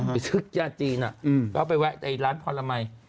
ไปซื้อยาจีนแล้วไปแวะร้านพรมัย